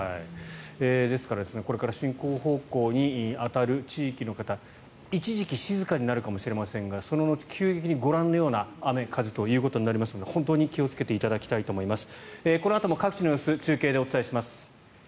ですからこれから進行方向に当たる地域の方一時期静かになるかもしれませんがその後、急激にご覧のような雨風ということになりますので本当に気をつけていただきたいと思います。